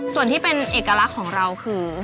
ส่วนที่เป็นเอกลักษณ์ของเราคือ